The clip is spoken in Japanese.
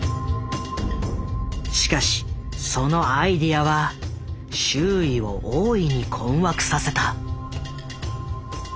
しかしそのアイデアは周囲を大いに困惑させた。